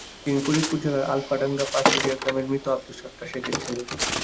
তিনি ফরিদপুর জেলার আলফাডাঙ্গা পাচুরিয়া গ্রামের মৃত আবদুস সত্তার শেখের ছেলে।